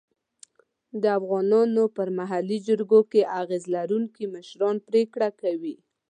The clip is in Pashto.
د افغانانو په محلي جرګو کې اغېز لرونکي مشران پرېکړه کوي.